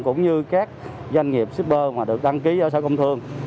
cũng như các doanh nghiệp shipper mà được đăng ký ở sở công thương